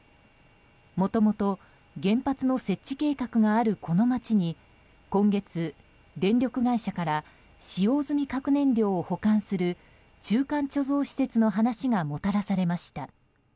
もともと原発を設置計画があるこの町に今月、電力会社から使用済み核燃料を保管する中間貯蔵施設の話がもたらされました。